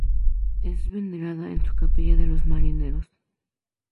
Es venerada en su capilla de los Marineros.